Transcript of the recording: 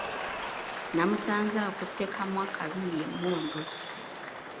Namusanze akutte kamwakabi ye mmundu.